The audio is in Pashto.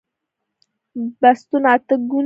بستونه اته ګوني دي